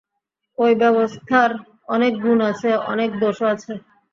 ঐ ব্যবস্থার অনেক গুণ আছে, অনেক দোষও আছে।